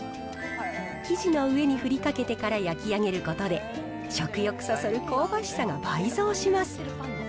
生地の上に振りかけてから焼き上げることで、食欲そそる香ばしさが倍増します。